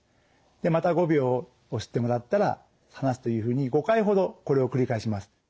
でまた５秒押してもらったら離すというふうに５回ほどこれを繰り返します。